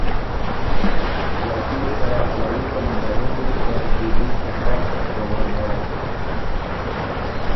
ݫاتي يې ا ځايي کمانډرنی ته دهلی ته تخت دورۀ داک